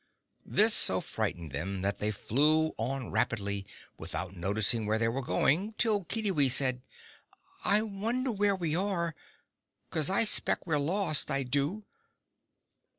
This so frightened them, that they flew on rapidly, without noticing where they were going, till Kiddiwee said "I wonder where we are? 'Cause I 'spect we're lost! I do."